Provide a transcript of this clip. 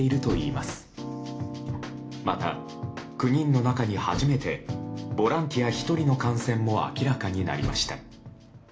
また、９人の中に初めてボランティア１人の感染も明らかになりました。